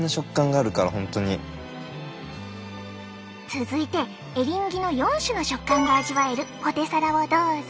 続いてエリンギの４種の食感が味わえるポテサラをどうぞ。